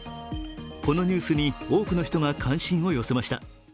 このニュースに多くの人が関心を寄せました。